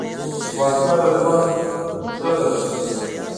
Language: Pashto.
وسله د ژوند زړه دروي